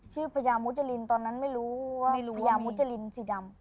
พญามุจรินตอนนั้นไม่รู้ว่าพญามุจรินสีดำ